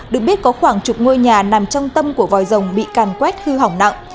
được biết có khoảng chục ngôi nhà nằm trong tâm của vòi rồng bị càn quét hư hỏng nặng